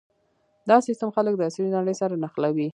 دا سیستم خلک د عصري نړۍ سره نښلوي.